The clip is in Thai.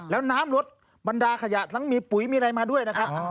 แล้วน้ำลดบรรดาขยะทั้งมีปุ๋ยมีอะไรมาด้วยนะครับ